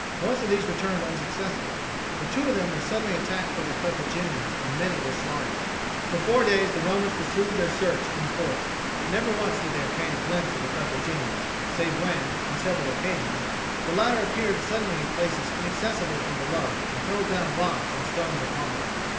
Most of these returned unsuccessful, but two of them were suddenly attacked by the Carthaginians, and many were slaughtered. For four days the Romans pursued their search in the forest, but never once did they obtain a glimpse of the Carthaginians save when, on several occasions, the latter appeared suddenly in places inaccessible from below and hurled down rocks and stones upon them.